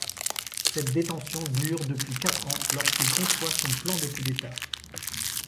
Cette détention dure depuis quatre ans lorsqu’il conçoit son plan de coup d’État.